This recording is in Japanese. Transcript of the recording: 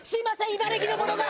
茨城の者が！